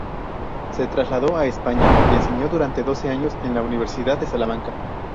Se trasladó a España y enseñó durante doce años en la Universidad de Salamanca.